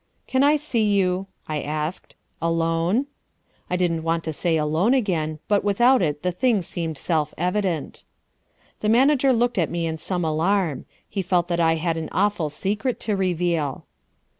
"Can I see you," I asked, "alone?" I didn't want to say "alone" again, but without it the thing seemed self evident. The manager looked at me in some alarm. He felt that I had an awful secret to reveal.